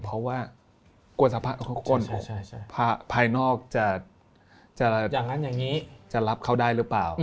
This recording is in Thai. เพราะว่ากลวงสภาพของคนภายนอกจะรับเขาได้หรือเปล่า